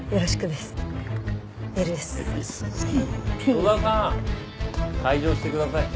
砥沢さん解錠してください。